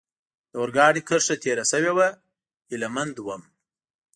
د اورګاډي کرښه تېره شوې وه، هیله مند ووم.